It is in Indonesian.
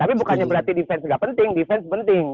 tapi bukannya berarti defense nggak penting defense penting